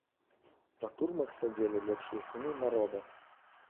Па турмах сядзелі лепшыя сыны народа.